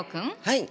はい。